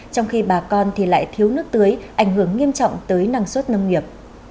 trong khi bà con thì lại thiếu nước tưới ảnh hưởng nghiêm trọng tới năng suất nông nghiệp